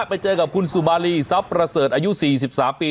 ไปเจอกับคุณสุมารีทรัพย์ประเสริฐอายุ๔๓ปี